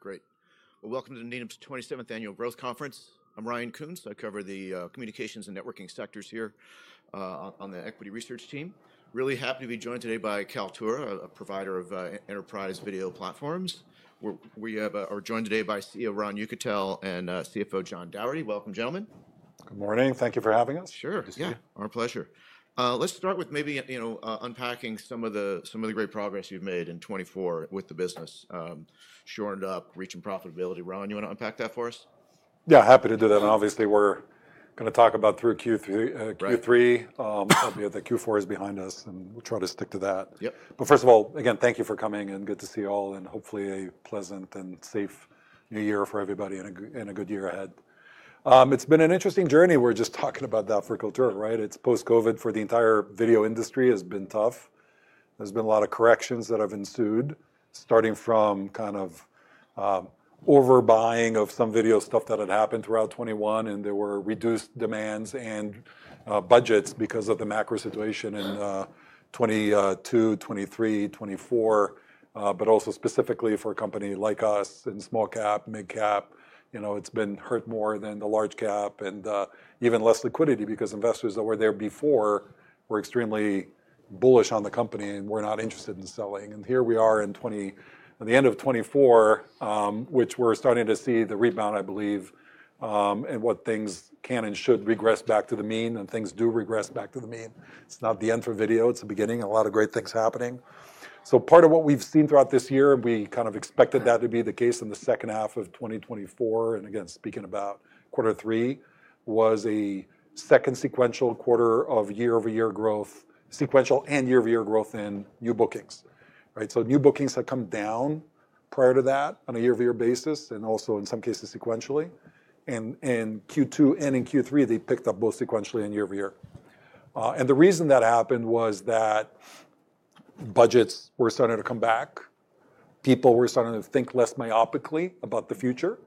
Good. Great. Well, welcome to Needham & Company's 27th Annual Growth Conference. I'm Ryan Koontz. I cover the communications and networking sectors here on the equity research team. Really happy to be joined today by Kaltura, a provider of enterprise video platforms. We are joined today by CEO Ron Yekutiel and CFO John Doherty. Welcome, gentlemen. Good morning. Thank you for having us. Sure. Our pleasure. Let's start with maybe unpacking some of the great progress you've made in 2024 with the business, shoring it up, reaching profitability. Ron, you want to unpack that for us? Yeah, happy to do that, and obviously, we're going to talk about through Q3. The Q4 is behind us, and we'll try to stick to that, but first of all, again, thank you for coming, and good to see you all, and hopefully a pleasant and safe new year for everybody and a good year ahead. It's been an interesting journey. We're just talking about that for Kaltura, right? It's post-COVID for the entire video industry has been tough. There's been a lot of corrections that have ensued, starting from kind of overbuying of some video stuff that had happened throughout 2021, and there were reduced demands and budgets because of the macro situation in 2022, 2023, 2024, but also specifically for a company like us in small cap, mid cap. It's been hurt more than the large cap and even less liquidity because investors that were there before were extremely bullish on the company and were not interested in selling, and here we are in the end of 2024, which we're starting to see the rebound, I believe, and what things can and should regress back to the mean, and things do regress back to the mean. It's not the end for video. It's the beginning. A lot of great things happening, so part of what we've seen throughout this year, and we kind of expected that to be the case in the second half of 2024, and again, speaking about quarter three, was a second sequential quarter of year-over-year growth, sequential and year-over-year growth in new bookings, so new bookings had come down prior to that on a year-over-year basis, and also in some cases sequentially. In Q2 and in Q3, they picked up both sequentially and year-over-year. The reason that happened was that budgets were starting to come back. People were starting to think less myopically about the future.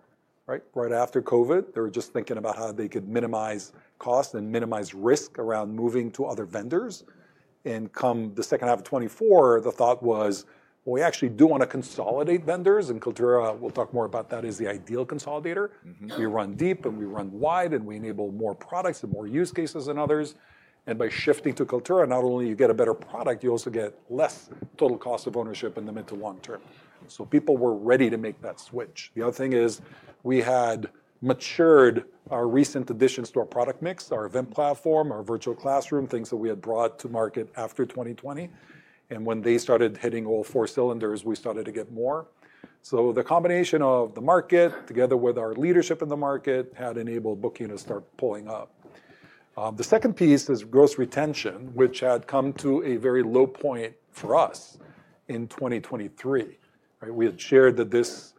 Right after COVID, they were just thinking about how they could minimize costs and minimize risk around moving to other vendors. Come the second half of 2024, the thought was, well, we actually do want to consolidate vendors, and Kaltura, we'll talk more about that, is the ideal consolidator. We run deep and we run wide, and we enable more products and more use cases than others. By shifting to Kaltura, not only do you get a better product, you also get less total cost of ownership in the mid to long term. People were ready to make that switch. The other thing is we had matured our recent additions to our product mix, our event platform, our Virtual Classroom, things that we had brought to market after 2020, and when they started hitting all four cylinders, we started to get more, so the combination of the market together with our leadership in the market had enabled booking to start pulling up. The second piece is gross retention, which had come to a very low point for us in 2023. We had shared that this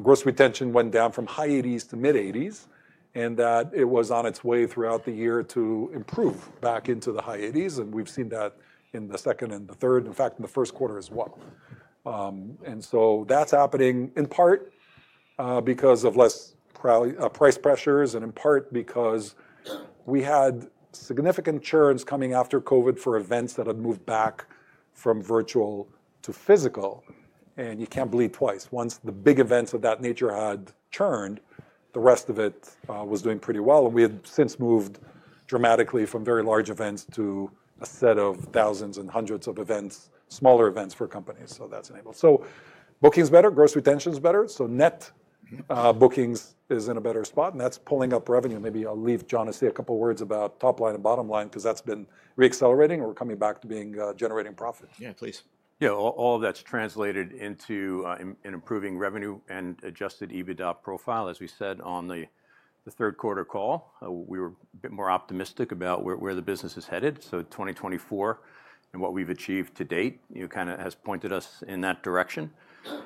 gross retention went down from high 80s to mid 80s and that it was on its way throughout the year to improve back into the high 80s, and we've seen that in the second and the third, in fact, in the first quarter as well. And so that's happening in part because of less price pressures and in part because we had significant churns coming after COVID for events that had moved back from virtual to physical. And you can't bleed twice. Once the big events of that nature had churned, the rest of it was doing pretty well. And we had since moved dramatically from very large events to a set of thousands and hundreds of events, smaller events for companies. So that's enabled. So bookings better, gross retention's better. So net bookings is in a better spot, and that's pulling up revenue. Maybe I'll leave John to say a couple of words about top line and bottom line because that's been reaccelerating or coming back to being generating profits. Yeah, please. Yeah, all of that's translated into an improving revenue and adjusted EBITDA profile. As we said on the third quarter call, we were a bit more optimistic about where the business is headed. So 2024 and what we've achieved to date kind of has pointed us in that direction.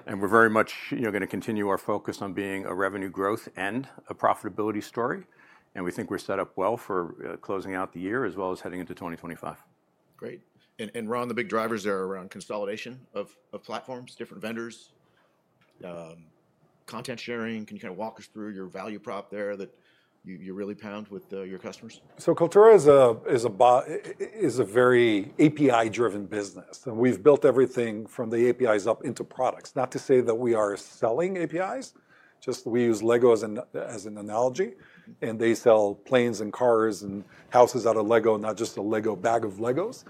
And we're very much going to continue our focus on being a revenue growth and a profitability story. And we think we're set up well for closing out the year as well as heading into 2025. Great. And Ron, the big drivers there are around consolidation of platforms, different vendors, content sharing. Can you kind of walk us through your value prop there that you really pound with your customers? Kaltura is a very API-driven business. We've built everything from the APIs up into products. Not to say that we are selling APIs, just we use Lego as an analogy, and they sell planes and cars and houses out of Lego, not just a Lego bag of Legos.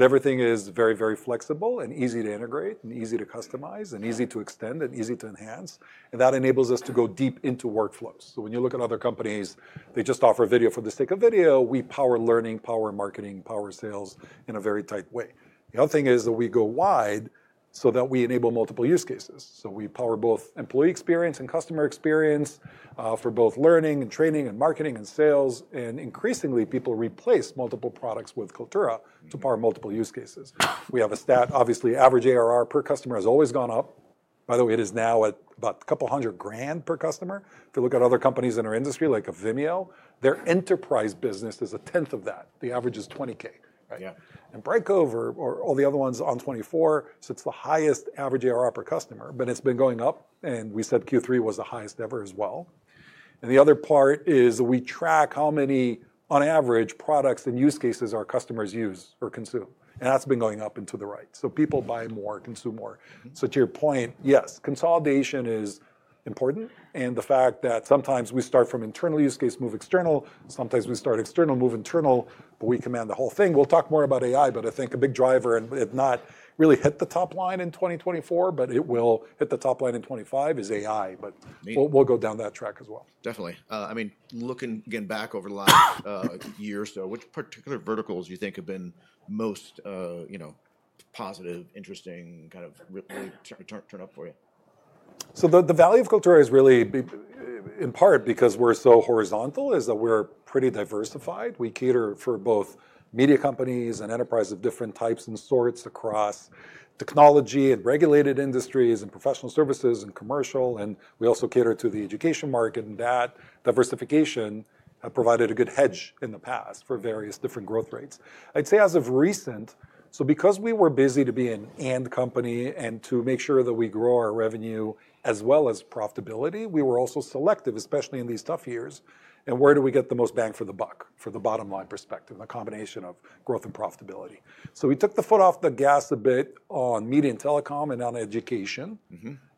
Everything is very, very flexible and easy to integrate and easy to customize and easy to extend and easy to enhance. That enables us to go deep into workflows. When you look at other companies, they just offer video for the sake of video. We power learning, power marketing, power sales in a very tight way. The other thing is that we go wide so that we enable multiple use cases. We power both employee experience and customer experience for both learning and training and marketing and sales. And increasingly, people replace multiple products with Kaltura to power multiple use cases. We have a stat, obviously, average ARR per customer has always gone up. By the way, it is now at about $200,000 per customer. If you look at other companies in our industry, like a Vimeo, their enterprise business is a tenth of that. The average is $20,000. And Brightcove or all the other ones in 2024, it's the highest average ARR per customer, but it's been going up. And we said Q3 was the highest ever as well. And the other part is we track how many, on average, products and use cases our customers use or consume. And that's been going up and to the right. So people buy more, consume more. So to your point, yes, consolidation is important. And the fact that sometimes we start from internal use case, move external, sometimes we start external, move internal, but we command the whole thing. We'll talk more about AI, but I think a big driver, and it not really hit the top line in 2024, but it will hit the top line in 2025 is AI. But we'll go down that track as well. Definitely. I mean, looking again back over the last year or so, which particular verticals do you think have been most positive, interesting, kind of really turned up for you? So the value of Kaltura is really in part because we're so horizontal, in that we're pretty diversified. We cater for both media companies and enterprises of different types and sorts across technology and regulated industries, professional services, and commercial. And we also cater to the education market. And that diversification provided a good hedge in the past for various different growth rates. I'd say as of recent, so because we were busy to be an end company and to make sure that we grow our revenue as well as profitability, we were also selective, especially in these tough years. And where do we get the most bang for the buck for the bottom line perspective and the combination of growth and profitability? So we took our foot off the gas a bit on media and telecom and on education.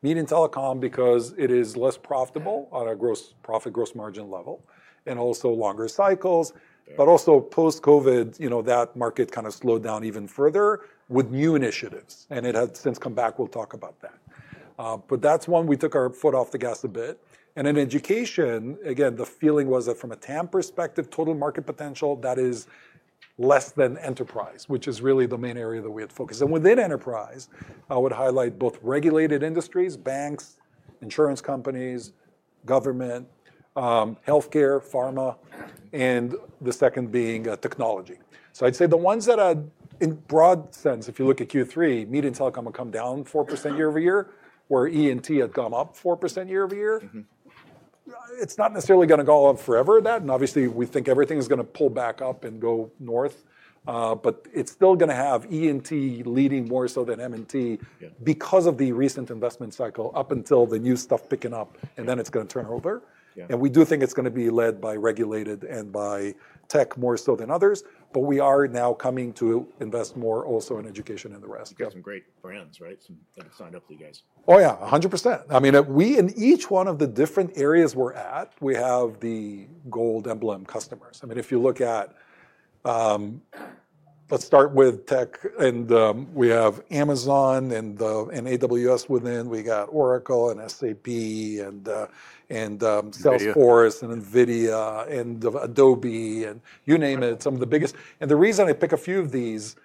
Media and telecom because it is less profitable on a gross profit, gross margin level, and also longer cycles. But also post-COVID, that market kind of slowed down even further with new initiatives. And it had since come back. We'll talk about that. But that's one, we took our foot off the gas a bit. And in education, again, the feeling was that from a TAM perspective, total market potential, that is less than enterprise, which is really the main area that we had focused. And within enterprise, I would highlight both regulated industries, banks, insurance companies, government, healthcare, pharma, and the second being technology. So I'd say the ones that are in broad sense, if you look at Q3, media and telecom had come down 4% year over year, where EE&T had gone up 4% year over year. It's not necessarily going to go up forever that. Obviously, we think everything is going to pull back up and go north, but it's still going to have EE&T leading more so than M&T because of the recent investment cycle up until the new stuff picking up, and then it's going to turn over. We do think it's going to be led by regulated and by tech more so than others, but we are now coming to invest more also in education and the rest. You have some great brands, right? Some that have signed up to you guys. Oh, yeah, 100%. I mean, we in each one of the different areas we're at, we have the gold emblem customers. I mean, if you look at, let's start with tech, and we have Amazon and AWS within. We got Oracle and SAP and Salesforce and NVIDIA and Adobe and you name it, some of the biggest. And the reason I pick a few of these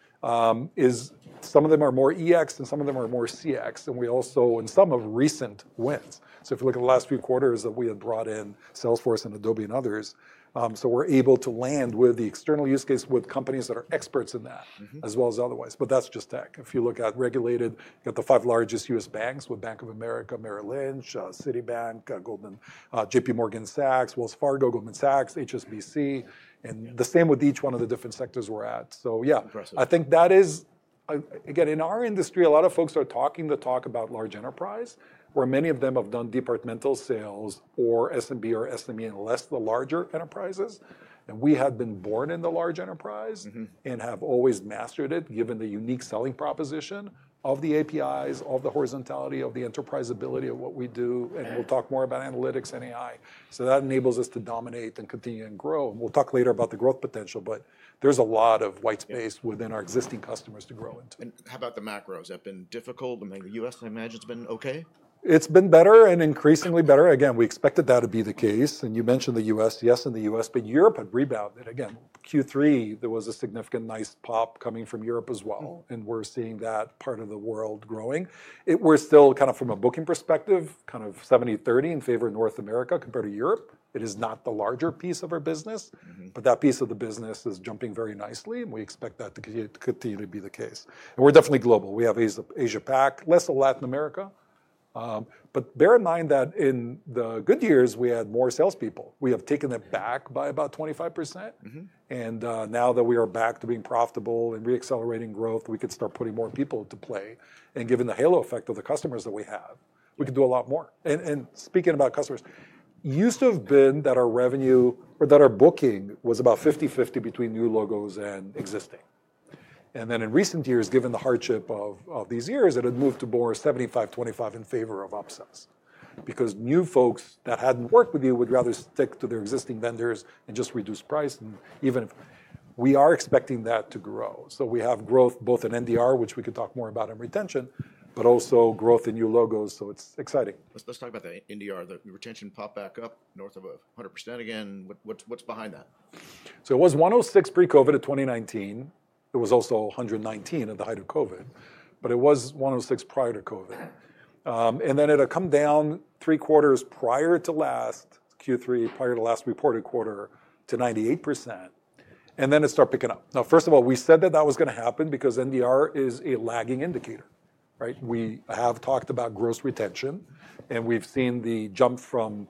is some of them are more EX and some of them are more CX. And we also in some of recent wins. So if you look at the last few quarters that we had brought in Salesforce and Adobe and others, so we're able to land with the external use case with companies that are experts in that as well as otherwise. But that's just tech. If you look at regulated, you got the five largest U.S. banks with Bank of America, Merrill Lynch, Citibank, Goldman, J.P. Morgan, Wells Fargo, Goldman Sachs, HSBC, and the same with each one of the different sectors we're at, so yeah, I think that is, again, in our industry, a lot of folks are talking the talk about large enterprise, where many of them have done departmental sales or SMB or SME in less the larger enterprises, and we had been born in the large enterprise and have always mastered it, given the unique selling proposition of the APIs, of the horizontality of the enterprise ability of what we do, and we'll talk more about analytics and AI, so that enables us to dominate and continue and grow. We'll talk later about the growth potential, but there's a lot of white space within our existing customers to grow into. And how about the macros? Have been difficult? I mean, the U.S., I imagine it's been okay? It's been better and increasingly better. Again, we expected that to be the case. And you mentioned the U.S., yes, in the U.S., but Europe had rebounded. Again, Q3, there was a significant nice pop coming from Europe as well. And we're seeing that part of the world growing. We're still kind of from a booking perspective, kind of 70-30 in favor of North America compared to Europe. It is not the larger piece of our business, but that piece of the business is jumping very nicely. And we expect that to continue to be the case. And we're definitely global. We have Asia-Pac, less of Latin America. But bear in mind that in the good years, we had more salespeople. We have taken it back by about 25%. And now that we are back to being profitable and reaccelerating growth, we could start putting more people to play. And given the halo effect of the customers that we have, we could do a lot more. And speaking about customers, used to have been that our revenue or that our booking was about 50-50 between new logos and existing. And then in recent years, given the hardship of these years, it had moved to more 75-25 in favor of upsells because new folks that hadn't worked with you would rather stick to their existing vendors and just reduce price. And even if we are expecting that to grow. So we have growth both in NDR, which we could talk more about in retention, but also growth in new logos. So it's exciting. Let's talk about the NDR, the retention pop back up north of 100% again. What's behind that? So it was 106 pre-COVID at 2019. It was also 119 at the height of COVID, but it was 106 prior to COVID. And then it had come down three quarters prior to last Q3, prior to last reported quarter to 98%. And then it started picking up. Now, first of all, we said that that was going to happen because NDR is a lagging indicator. We have talked about gross retention, and we've seen the jump from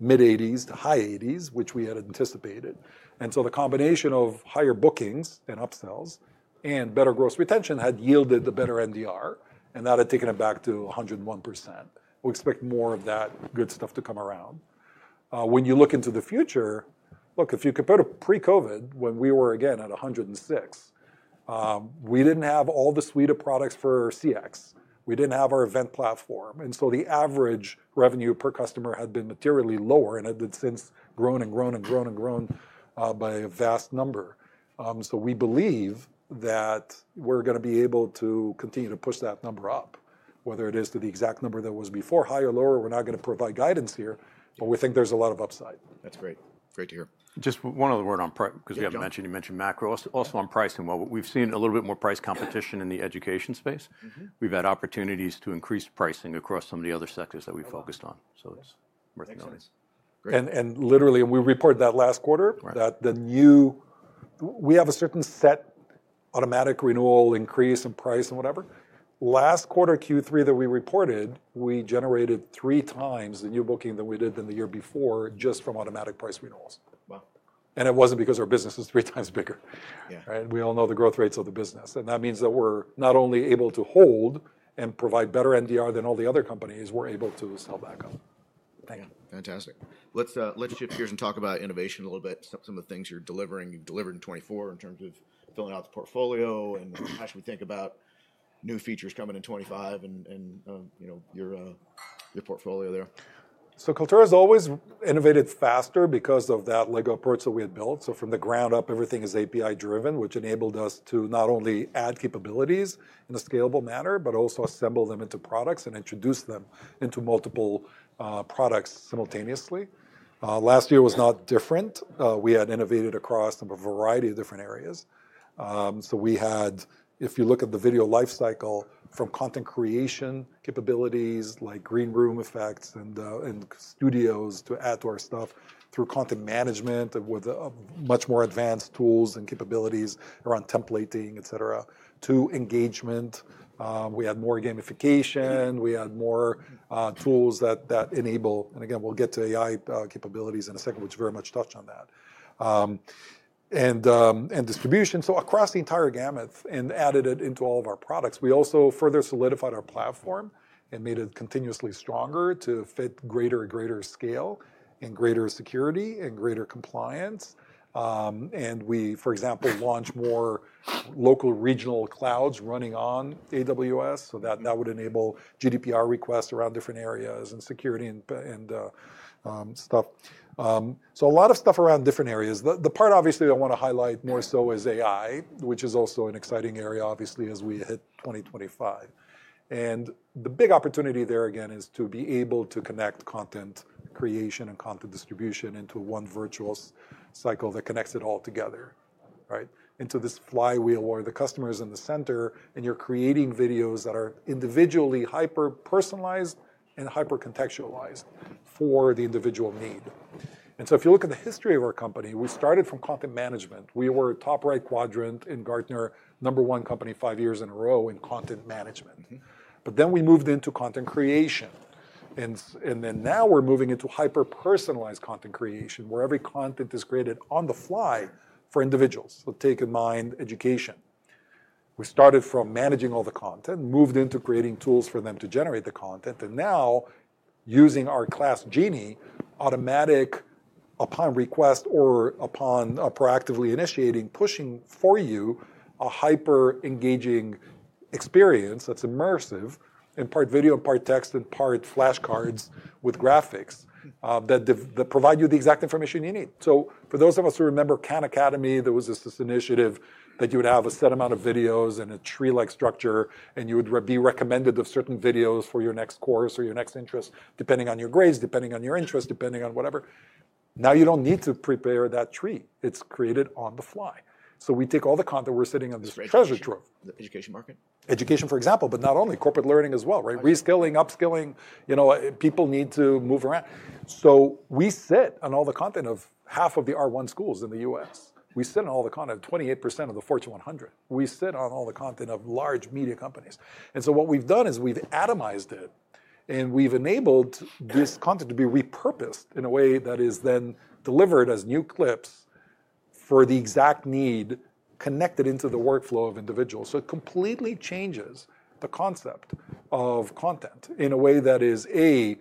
mid-80s% to high-80s%, which we had anticipated. And so the combination of higher bookings and upsells and better gross retention had yielded the better NDR, and that had taken it back to 101%. We expect more of that good stuff to come around. When you look into the future, look, if you compare to pre-COVID, when we were again at 106, we didn't have all the suite of products for CX. We didn't have our event platform. And so the average revenue per customer had been materially lower, and it had since grown and grown and grown and grown by a vast number. So we believe that we're going to be able to continue to push that number up, whether it is to the exact number that was before, high or lower. We're not going to provide guidance here, but we think there's a lot of upside. That's great. Great to hear. Just one other word on price, because we have to mention, you mentioned macro. Also on pricing, we've seen a little bit more price competition in the education space. We've had opportunities to increase pricing across some of the other sectors that we focused on. So it's worth noting. Literally, we reported that last quarter that we have a certain set automatic renewal increase in price and whatever. Last quarter Q3 that we reported, we generated three times the new booking that we did than the year before just from automatic price renewals. It wasn't because our business is three times bigger. We all know the growth rates of the business. That means that we're not only able to hold and provide better NDR than all the other companies, we're able to sell back up. Fantastic. Let's shift gears and talk about innovation a little bit. Some of the things you're delivering, you delivered in 2024 in terms of filling out the portfolio and how should we think about new features coming in 2025 and your portfolio there? Kaltura has always innovated faster because of that Lego approach that we had built. From the ground up, everything is API-driven, which enabled us to not only add capabilities in a scalable manner, but also assemble them into products and introduce them into multiple products simultaneously. Last year was not different. We had innovated across a variety of different areas. We had, if you look at the video lifecycle from content creation capabilities like Greenroom effects and studios to authoring stuff through content management with much more advanced tools and capabilities around templating, et cetera, to engagement. We had more gamification. We had more tools that enable, and again, we'll get to AI capabilities in a second, which very much touched on that, and distribution. Across the entire gamut and added it into all of our products. We also further solidified our platform and made it continuously stronger to fit greater and greater scale and greater security and greater compliance. And we, for example, launched more local regional clouds running on AWS. So that would enable GDPR requests around different areas and security and stuff. So a lot of stuff around different areas. The part obviously I want to highlight more so is AI, which is also an exciting area, obviously, as we hit 2025. And the big opportunity there again is to be able to connect content creation and content distribution into one virtuous cycle that connects it all together, into this flywheel where the customer is in the center and you're creating videos that are individually hyper-personalized and hyper-contextualized for the individual need. And so if you look at the history of our company, we started from content management. We were top right quadrant in Gartner, number one company five years in a row in content management. But then we moved into content creation. And then now we're moving into hyper-personalized content creation where every content is created on the fly for individuals. So keep in mind education. We started from managing all the content, moved into creating tools for them to generate the content, and now using our Class Genie, automatic upon request or upon proactively initiating, pushing for you a hyper-engaging experience that's immersive in part video and part text and part flashcards with graphics that provide you the exact information you need. So, for those of us who remember Khan Academy, there was this initiative that you would have a set amount of videos and a tree-like structure, and you would be recommended of certain videos for your next course or your next interest, depending on your grades, depending on your interests, depending on whatever. Now you don't need to prepare that tree. It's created on the fly. So we take all the content we're sitting on this treasure trove. The education market. Education, for example, but not only corporate learning as well, reskilling, upskilling. People need to move around. So we sit on all the content of half of the R1 schools in the U.S. We sit on all the content of 28% of the Fortune 100. We sit on all the content of large media companies. And so what we've done is we've atomized it, and we've enabled this content to be repurposed in a way that is then delivered as new clips for the exact need connected into the workflow of individuals. So it completely changes the concept of content in a way that is, A,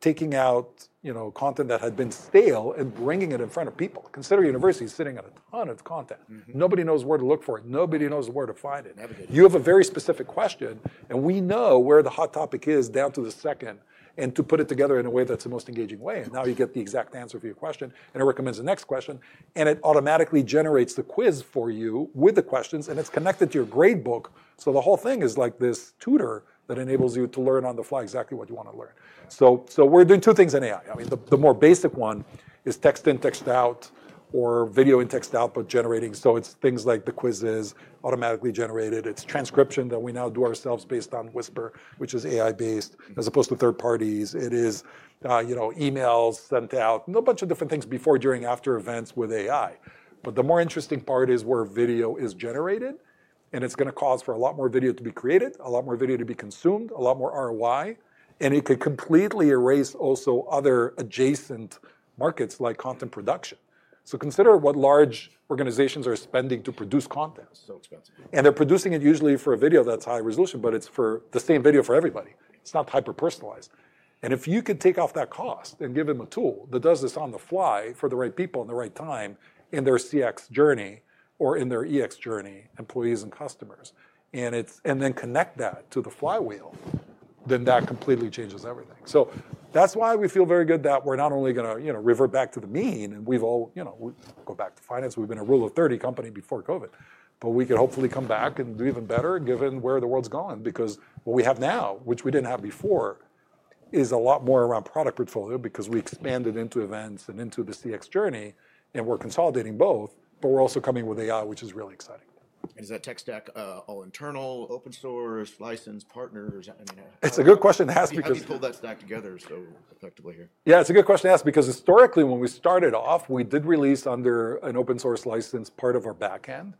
taking out content that had been stale and bringing it in front of people. Consider universities sitting on a ton of content. Nobody knows where to look for it. Nobody knows where to find it. You have a very specific question, and we know where the hot topic is down to the second, and to put it together in a way that's the most engaging way, and now you get the exact answer for your question, and it recommends the next question, and it automatically generates the quiz for you with the questions, and it's connected to your grade book. The whole thing is like this tutor that enables you to learn on the fly exactly what you want to learn. We're doing two things in AI. I mean, the more basic one is text in, text out, or video in, text out, but generating. It's things like the quizzes automatically generated. It's transcription that we now do ourselves based on Whisper, which is AI-based as opposed to third parties. It is emails sent out, a bunch of different things before, during, after events with AI. But the more interesting part is where video is generated, and it's going to cause for a lot more video to be created, a lot more video to be consumed, a lot more ROI, and it could completely erase also other adjacent markets like content production, so consider what large organizations are spending to produce content, and they're producing it usually for a video that's high resolution, but it's for the same video for everybody. It's not hyper-personalized, and if you could take off that cost and give them a tool that does this on the fly for the right people in the right time in their CX journey or in their EX journey, employees and customers, and then connect that to the flywheel, then that completely changes everything. So that's why we feel very good that we're not only going to revert back to the mean, and we've all got to go back to finance. We've been a Rule of 30 company before COVID, but we could hopefully come back and do even better given where the world's gone because what we have now, which we didn't have before, is a lot more around product portfolio because we expanded into events and into the CX journey, and we're consolidating both, but we're also coming with AI, which is really exciting. Is that tech stack all internal, open source, licensed, partners? It's a good question to ask because. How do you pull that stack together so effectively here? Yeah, it's a good question to ask because historically, when we started off, we did release under an open source license part of our backend.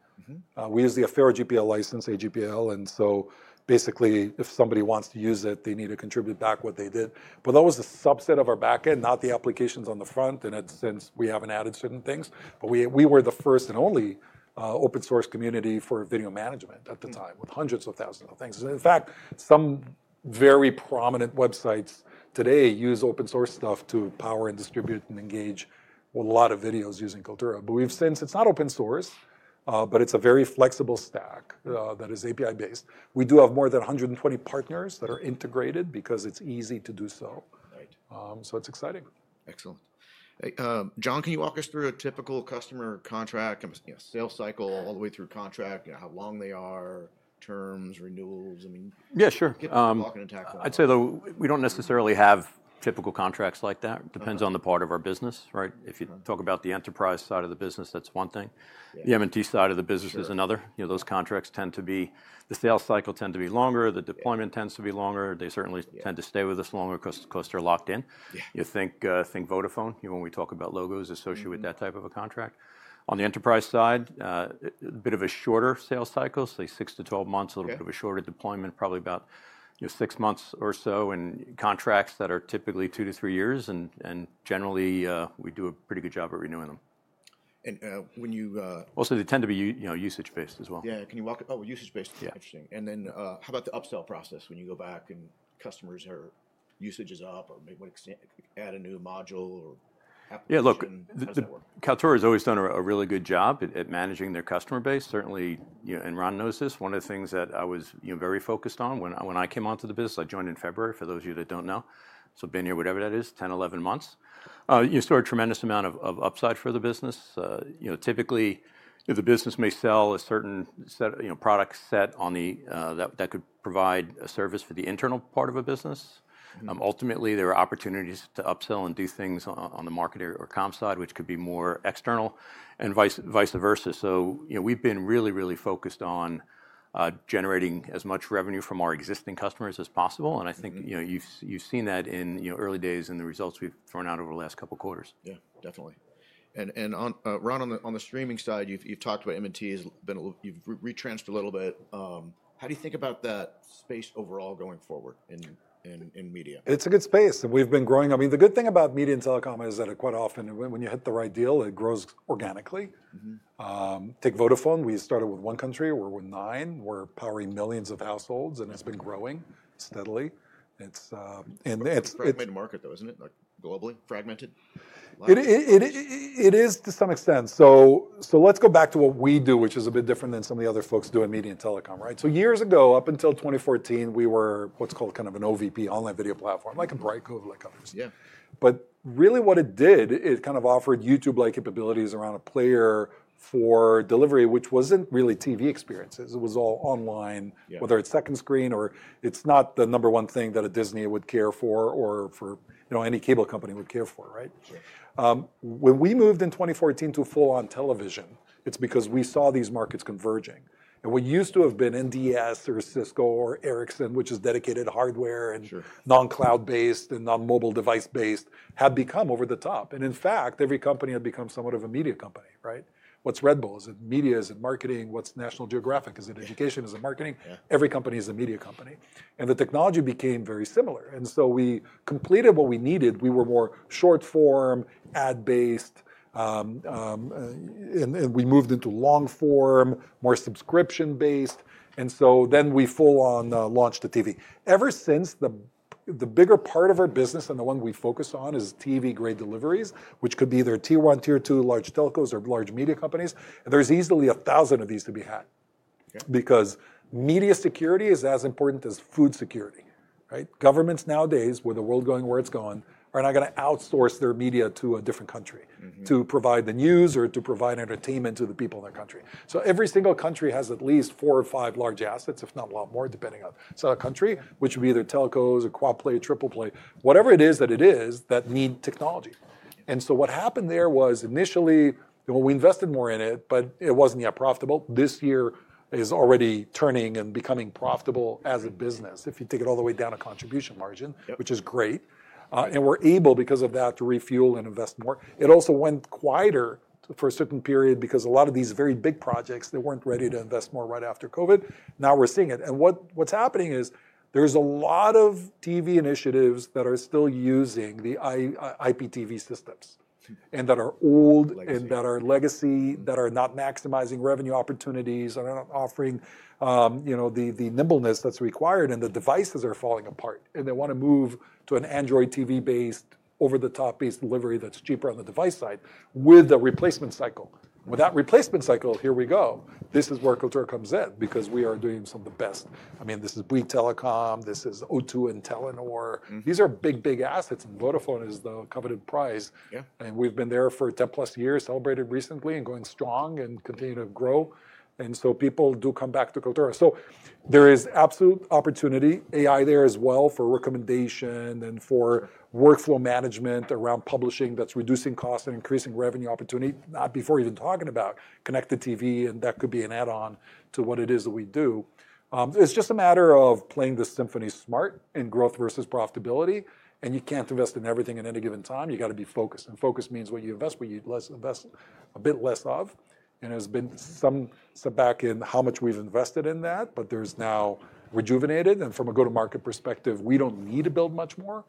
We use the Affero GPL license, AGPL. And so basically, if somebody wants to use it, they need to contribute back what they did. But that was a subset of our backend, not the applications on the front. And since we haven't added certain things, but we were the first and only open source community for video management at the time with hundreds of thousands of things. In fact, some very prominent websites today use open source stuff to power and distribute and engage with a lot of videos using Kaltura. But since it's not open source, but it's a very flexible stack that is API-based, we do have more than 120 partners that are integrated because it's easy to do so. So it's exciting. Excellent. John, can you walk us through a typical customer contract, sales cycle all the way through contract, how long they are, terms, renewals? Yeah, sure. I'd say though, we don't necessarily have typical contracts like that. It depends on the part of our business. If you talk about the enterprise side of the business, that's one thing. The M&T side of the business is another. Those contracts tend to be, the sales cycle tends to be longer. The deployment tends to be longer. They certainly tend to stay with us longer because they're locked in. You think Vodafone when we talk about logos associated with that type of a contract. On the enterprise side, a bit of a shorter sales cycle, say 6 to 12 months, a little bit of a shorter deployment, probably about 6 months or so, and contracts that are typically 2 to 3 years. And generally, we do a pretty good job of renewing them. Also, they tend to be usage-based as well. Yeah. Can you walk usage-based? Interesting. And then, how about the upsell process when you go back and customers' usage is up or add a new module? Yeah, look, Kaltura has always done a really good job at managing their customer base. Certainly, and Ron knows this. One of the things that I was very focused on when I came onto the business. I joined in February for those of you that don't know. So been here, whatever that is, 10, 11 months. There's a tremendous amount of upside for the business. Typically, the business may sell a certain product set that could provide a service for the internal part of a business. Ultimately, there are opportunities to upsell and do things on the MarCom side, which could be more external and vice versa. So we've been really, really focused on generating as much revenue from our existing customers as possible. And I think you've seen that in early days and the results we've thrown out over the last couple of quarters. Yeah, definitely. And Ron, on the streaming side, you've talked about M&T, you've re-entered a little bit. How do you think about that space overall going forward in media? It's a good space. We've been growing. I mean, the good thing about media and telecom is that quite often when you hit the right deal, it grows organically. Take Vodafone. We started with one country. We're with nine. We're powering millions of households, and it's been growing steadily. It's a mid-market though, isn't it? Like globally fragmented? It is to some extent, so let's go back to what we do, which is a bit different than some of the other folks doing media and telecom. So years ago, up until 2014, we were what's called kind of an OVP, online video platform, like Brightcove and like others. But really what it did, it kind of offered YouTube-like capabilities around a player for delivery, which wasn't really TV experiences. It was all online, whether it's second screen or it's not the number one thing that a Disney would care for or for any cable company would care for. When we moved in 2014 to full-on television, it's because we saw these markets converging, and we used to have been NDS or Cisco or Ericsson, which is dedicated hardware and non-cloud-based and non-mobile device-based, had become over the top. And in fact, every company had become somewhat of a media company. What's Red Bull? Is it media? Is it marketing? What's National Geographic? Is it education? Is it marketing? Every company is a media company. And the technology became very similar. And so we completed what we needed. We were more short form, ad based, and we moved into long form, more subscription based. And so then we full-on launched the TV. Ever since, the bigger part of our business and the one we focus on is TV-grade deliveries, which could be either tier one, tier two large telcos or large media companies. And there's easily a thousand of these to be had because media security is as important as food security. Governments nowadays, where the world is going, where it's gone, are not going to outsource their media to a different country to provide the news or to provide entertainment to the people in that country. So every single country has at least four or five large assets, if not a lot more, depending on the country, which would be either telcos or quad play, triple play, whatever it is that need technology. And so what happened there was initially, we invested more in it, but it wasn't yet profitable. This year is already turning and becoming profitable as a business if you take it all the way down a contribution margin, which is great. And we're able because of that to refuel and invest more. It also went quieter for a certain period because a lot of these very big projects, they weren't ready to invest more right after COVID. Now we're seeing it, and what's happening is there's a lot of TV initiatives that are still using the IPTV systems and that are old and that are legacy, that are not maximizing revenue opportunities and are not offering the nimbleness that's required, and the devices are falling apart, and they want to move to an Android TV-based, over-the-top-based delivery that's cheaper on the device side with a replacement cycle. With that replacement cycle, here we go. This is where Kaltura comes in because we are doing some of the best. I mean, this is Bouygues Telecom. This is O2 and Telenor. These are big, big assets, and Vodafone is the coveted prize. And we've been there for 10-plus years, celebrated recently and going strong and continue to grow. And so people do come back to Kaltura. So there is absolute opportunity. AI there as well for recommendation and for workflow management around publishing that's reducing costs and increasing revenue opportunity, not before even talking about connected TV. And that could be an add-on to what it is that we do. It's just a matter of playing the symphony smart in growth versus profitability. And you can't invest in everything at any given time. You got to be focused. And focus means what you invest, what you invest a bit less of. And there's been some setback in how much we've invested in that, but there's now rejuvenated. And from a go-to-market perspective, we don't need to build much more.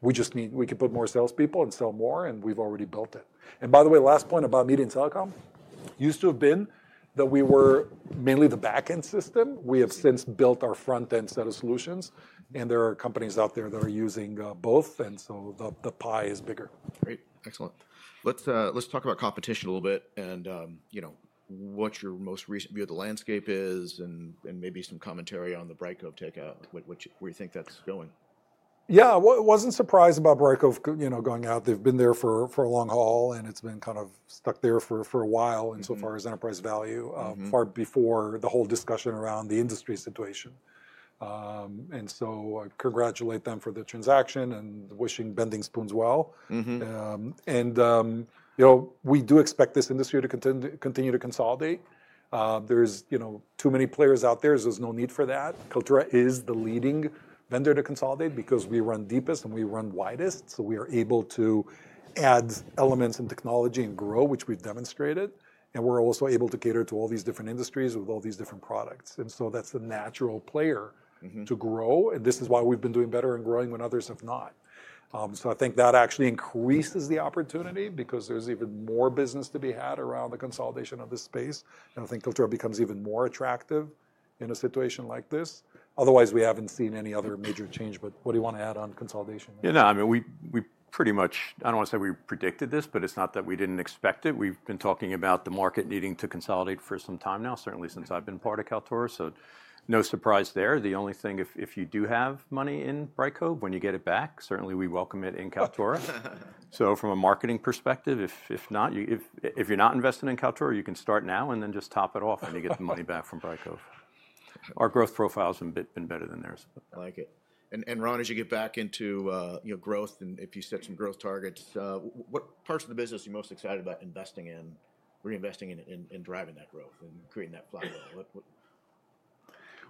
We just need we can put more salespeople and sell more, and we've already built it, and by the way, last point about media and telecom, used to have been that we were mainly the backend system. We have since built our frontend set of solutions, and there are companies out there that are using both, and so the pie is bigger. Great. Excellent. Let's talk about competition a little bit and what your most recent view of the landscape is and maybe some commentary on the Brightcove takeout, where you think that's going? Yeah, I wasn't surprised about Brightcove going out. They've been there for a long haul, and it's been kind of stuck there for a while insofar as enterprise value, far before the whole discussion around the industry situation. And so I congratulate them for the transaction and wishing Bending Spoons well. And we do expect this industry to continue to consolidate. There's too many players out there. There's no need for that. Kaltura is the leading vendor to consolidate because we run deepest and we run widest. So we are able to add elements and technology and grow, which we've demonstrated. And we're also able to cater to all these different industries with all these different products. And so that's a natural player to grow. And this is why we've been doing better and growing when others have not. So I think that actually increases the opportunity because there's even more business to be had around the consolidation of this space. And I think Kaltura becomes even more attractive in a situation like this. Otherwise, we haven't seen any other major change. But what do you want to add on consolidation? Yeah, no, I mean, we pretty much, I don't want to say we predicted this, but it's not that we didn't expect it. We've been talking about the market needing to consolidate for some time now, certainly since I've been part of Kaltura. So no surprise there. The only thing, if you do have money in Brightcove, when you get it back, certainly we welcome it in Kaltura. So from a marketing perspective, if not, if you're not investing in Kaltura, you can start now and then just top it off when you get the money back from Brightcove. Our growth profile has been better than theirs. I like it. And Ron, as you get back into growth and if you set some growth targets, what parts of the business are you most excited about investing in, reinvesting in, and driving that growth and creating that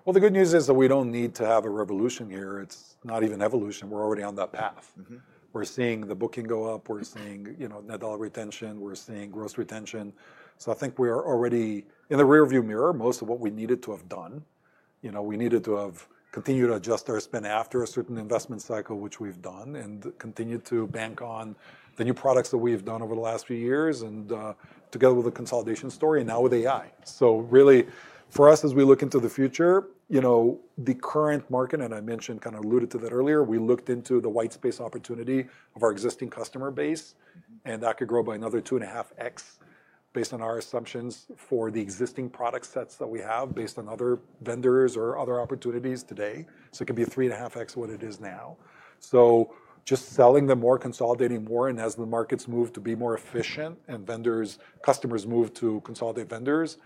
flywheel? The good news is that we don't need to have a revolution here. It's not even evolution. We're already on that path. We're seeing the booking go up. We're seeing net dollar retention. We're seeing gross retention. So I think we are already in the rearview mirror, most of what we needed to have done. We needed to have continued to adjust our spend after a certain investment cycle, which we've done, and continue to bank on the new products that we've done over the last few years and together with the consolidation story and now with AI. So really for us, as we look into the future, the current market, and I mentioned kind of alluded to that earlier, we looked into the white space opportunity of our existing customer base. And that could grow by another 2.5x based on our assumptions for the existing product sets that we have based on other vendors or other opportunities today. So it could be 3.5x what it is now. So just selling them more, consolidating more, and as the markets move to be more efficient and customers move to consolidate vendors,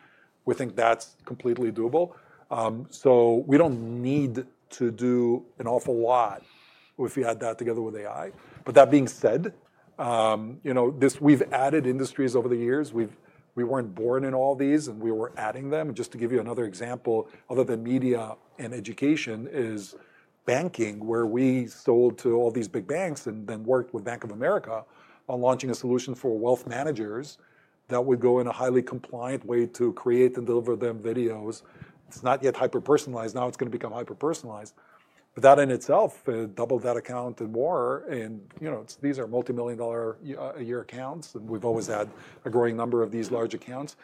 we think that's completely doable. So we don't need to do an awful lot if we add that together with AI. But that being said, we've added industries over the years. We weren't born in all these, and we were adding them. And just to give you another example, other than media and education, is banking, where we sold to all these big banks and then worked with Bank of America on launching a solution for wealth managers that would go in a highly compliant way to create and deliver them videos. It's not yet hyper-personalized. Now it's going to become hyper-personalized. But that in itself doubled that account and more. And these are multi-million-dollar-a-year accounts. And we've always had a growing number of these large accounts.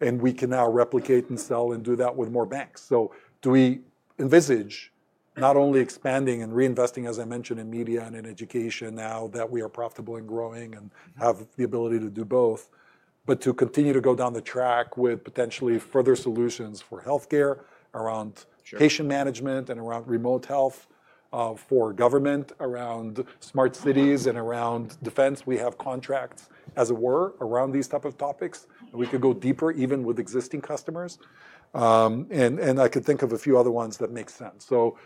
And we can now replicate and sell and do that with more banks. So do we envisage not only expanding and reinvesting, as I mentioned, in media and in education now that we are profitable and growing and have the ability to do both, but to continue to go down the track with potentially further solutions for healthcare around patient management and around remote health for government, around smart cities and around defense? We have contracts, as it were, around these types of topics. And we could go deeper even with existing customers. And I could think of a few other ones that make sense. So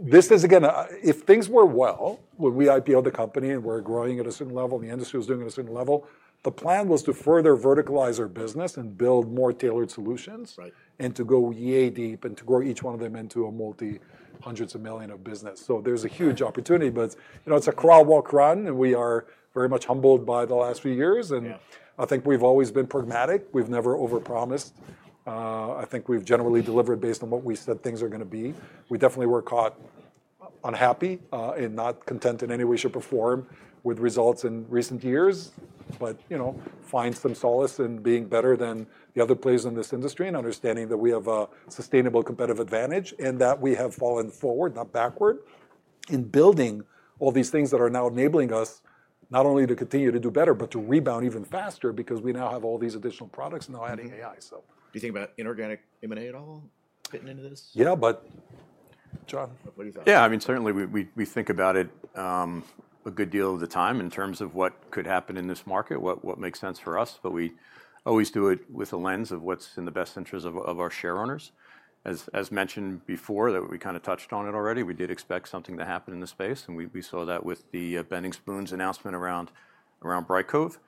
this is, again, if things were well, when we IPO'd the company and we're growing at a certain level and the industry was doing at a certain level, the plan was to further verticalize our business and build more tailored solutions and to go way deep and to grow each one of them into a multi-hundreds of millions of business. So there's a huge opportunity, but it's a crawl, walk, run. And we are very much humbled by the last few years. And I think we've always been pragmatic. We've never over-promised. I think we've generally delivered based on what we said things are going to be. We definitely were not happy and not content in any way with the results in recent years, but we find some solace in being better than the other players in this industry and understanding that we have a sustainable competitive advantage and that we have fallen forward, not backward in building all these things that are now enabling us not only to continue to do better, but to rebound even faster because we now have all these additional products and now adding AI. Do you think about inorganic M&A at all fitting into this? Yeah, but John. Yeah, I mean, certainly we think about it a good deal of the time in terms of what could happen in this market, what makes sense for us. But we always do it with a lens of what's in the best interest of our share owners. As mentioned before, that we kind of touched on it already. We did expect something to happen in the space. And we saw that with the Bending Spoons announcement around Brightcove.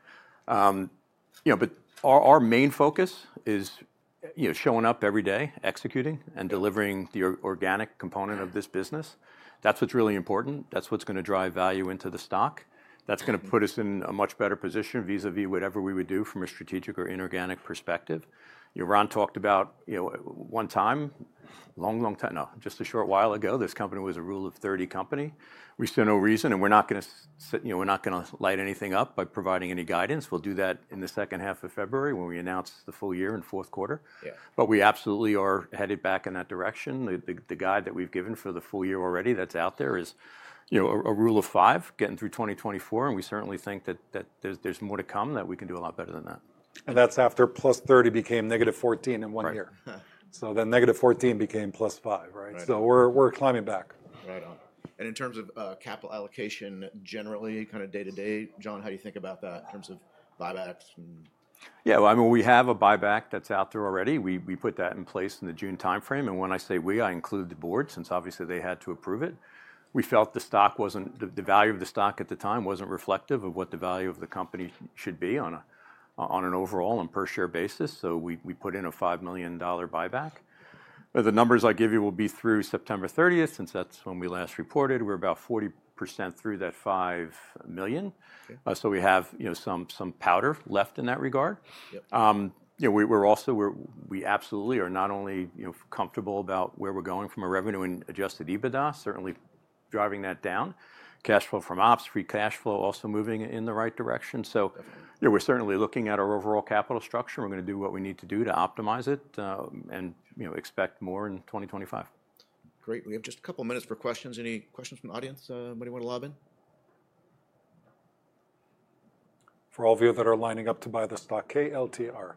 But our main focus is showing up every day, executing and delivering the organic component of this business. That's what's really important. That's what's going to drive value into the stock. That's going to put us in a much better position vis-à-vis whatever we would do from a strategic or inorganic perspective. Ron talked about just a short while ago, this company was a Rule of 30 company. We still know the reason, and we're not going to light anything up by providing any guidance. We'll do that in the second half of February when we announce the full year and fourth quarter, but we absolutely are headed back in that direction. The guide that we've given for the full year already, that's out there, is a Rule of 5 getting through 2024, and we certainly think that there's more to come that we can do a lot better than that. And that's after +30% became -14% in one year. So then -14% became +5%, right? So we're climbing back. Right on. And in terms of capital allocation generally, kind of day to day, John, how do you think about that in terms of buybacks? Yeah, well, I mean, we have a buyback that's out there already. We put that in place in the June timeframe. And when I say we, I include the board since obviously they had to approve it. We felt the value of the stock at the time wasn't reflective of what the value of the company should be on an overall and per share basis. So we put in a $5 million buyback. The numbers I give you will be through September 30th since that's when we last reported. We're about 40% through that $5 million. So we have some powder left in that regard. We're also, we absolutely are not only comfortable about where we're going from a revenue and adjusted EBITDA, certainly driving that down. Cash flow from ops, free cash flow also moving in the right direction. So we're certainly looking at our overall capital structure. We're going to do what we need to do to optimize it and expect more in 2025. Great. We have just a couple of minutes for questions. Any questions from the audience? Anybody want to lob in? For all of you that are lining up to buy the stock, KLTR.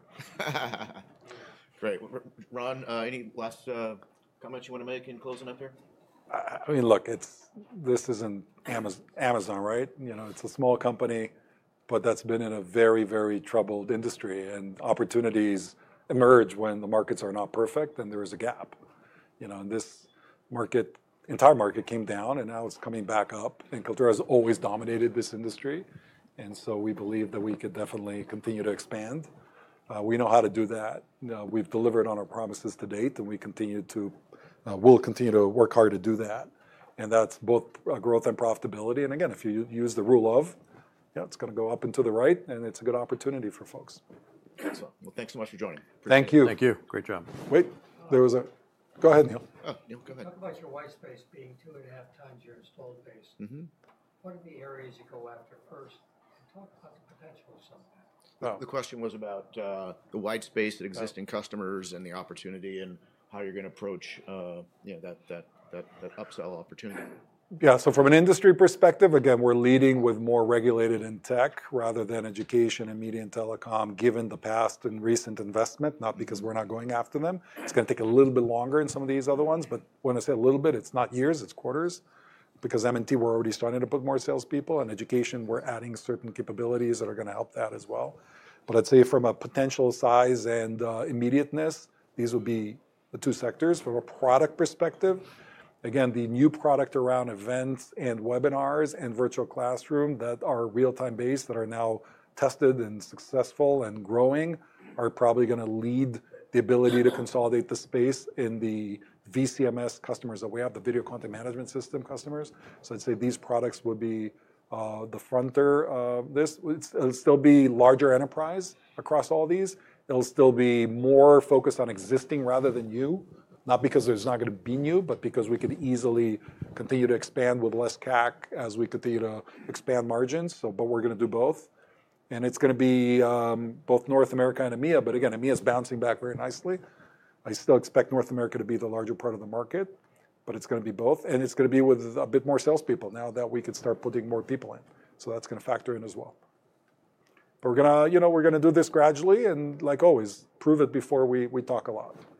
Great. Ron, any last comments you want to make in closing up here? I mean, look, this isn't Amazon, right? It's a small company, but that's been in a very, very troubled industry, and opportunities emerge when the markets are not perfect and there is a gap, and this entire market came down and now it's coming back up, and Kaltura has always dominated this industry, and so we believe that we could definitely continue to expand. We know how to do that. We've delivered on our promises to date, and we continue to, we'll continue to work hard to do that, and that's both growth and profitability, and again, if you use the Rule of 30, yeah, it's going to go up and to the right, and it's a good opportunity for folks. Excellent. Well, thanks so much for joining. Thank you. Thank you. Great job. Wait, there was a go ahead, Neil. Neil, go ahead. Talk about your white space being 2.5 times your installed base. What are the areas you go after first? And talk about the potential of some of that. The question was about the white space and existing customers and the opportunity and how you're going to approach that upsell opportunity. Yeah, so from an industry perspective, again, we're leading with more regulated in tech rather than education and media and telecom given the past and recent investment, not because we're not going after them. It's going to take a little bit longer in some of these other ones. But when I say a little bit, it's not years, it's quarters. Because M&T, we're already starting to put more salespeople. And education, we're adding certain capabilities that are going to help that as well. But I'd say from a potential size and immediateness, these would be the two sectors. From a product perspective, again, the new product around Events and Webinars and Virtual Classroom that are real-time based that are now tested and successful and growing are probably going to lead the ability to consolidate the space in the VCMS customers that we have, the video content management system customers. So I'd say these products would be the frontier of this. It'll still be larger enterprise across all these. It'll still be more focused on existing rather than new, not because there's not going to be new, but because we could easily continue to expand with less CAC as we continue to expand margins. But we're going to do both. And it's going to be both North America and EMEA. But again, EMEA is bouncing back very nicely. I still expect North America to be the larger part of the market, but it's going to be both. And it's going to be with a bit more salespeople now that we can start putting more people in. So that's going to factor in as well. But we're going to do this gradually and like always, prove it before we talk a lot.